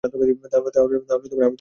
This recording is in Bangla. তাহলে আমি তোমাকে মুক্তি দিব।